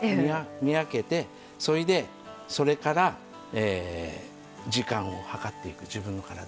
見分けてそれでそれから時間を計っていく自分の体の中で。